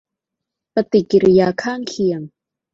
ปฏิกิริยาข้างเคียง